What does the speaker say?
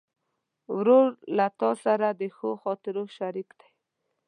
ورور له تا سره د ښو خاطرو شریک دی.